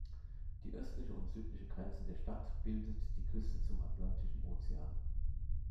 Die östliche und südliche Grenze der Stadt bildet die Küste zum Atlantischen Ozean.